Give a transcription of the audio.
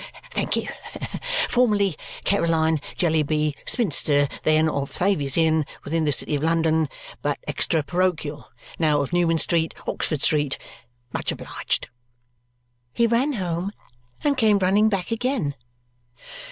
Thank you. Formerly Caroline Jellyby, spinster, then of Thavies Inn, within the city of London, but extra parochial; now of Newman Street, Oxford Street. Much obliged." He ran home and came running back again.